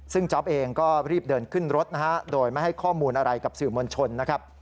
ซึ่งจ๊อปเองก็รีบเดินขึ้นรถนะฮะโดยไม่ให้ข้อมูลอะไรกับสื่อมวลชนนะครับ